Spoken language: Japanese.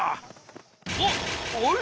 あっあれ？